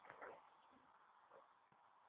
kampir tuzimisan?